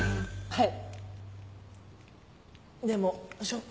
はい！